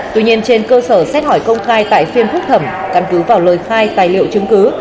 tuy nhiên trên cơ sở xét hỏi công khai tại phiên phúc thẩm căn cứ vào lời khai tài liệu chứng cứ